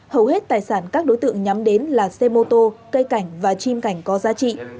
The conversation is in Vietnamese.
hầu hết tài sản các đối tượng nhắm đến là xe mô tô cây cảnh và chim cảnh có giá trị